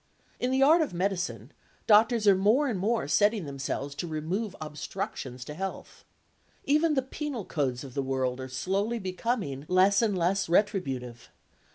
In the art of medicine, doctors are more and more setting themselves to remove obstructions to health. Even the penal codes of the world are slowly becoming less and less retributive.